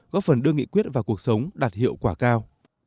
góp phần đưa nghị quyết vào cuộc sống đạt hiệu quả cao